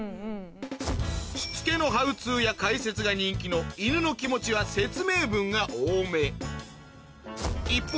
しつけのハウツーや解説が人気の『いぬのきもち』は説明文が多め一方